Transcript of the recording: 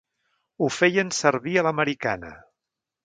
Ho feien servir a l'americana.